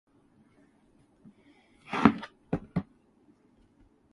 The section of road on which the original building stands is called Station Approach.